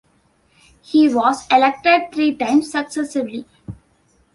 He was elected three times successively.